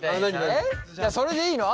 それでいいの？